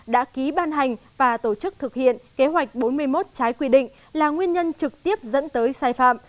đã ký ban hành và tổ chức thực hiện kế hoạch bốn mươi một trái quy định là nguyên nhân trực tiếp dẫn tới sai phạm